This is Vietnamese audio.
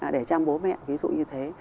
để chăm bố mẹ ví dụ như thế